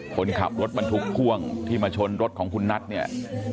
คนขับรถบรรทุกพ่วงที่มาชนรถของคุณนัทเนี่ย